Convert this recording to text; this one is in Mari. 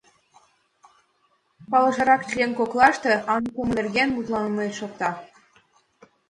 Палышырак член коклаште аныклыме нерген мутланыме шокта.